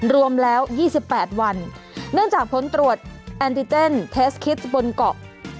รวมแล้ว๒๘วันเนื่องจากผลตรวจแอนติเจนเทสคิสบนเกาะ